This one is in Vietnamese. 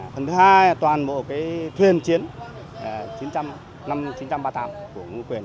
phần thứ hai là toàn bộ thuyền chiến năm một nghìn chín trăm ba mươi tám của ngô quyền